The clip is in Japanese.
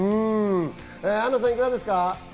アンナさん、いかがですか？